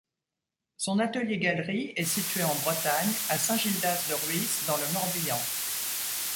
Son atelier-galerie est situé en Bretagne, à Saint-Gildas de Rhuys, dans le Morbihan.